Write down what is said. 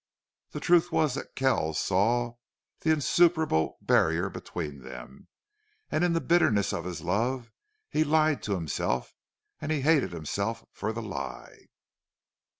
The truth was that Kells saw the insuperable barrier between them, and in the bitterness of his love he lied to himself, and hated himself for the lie.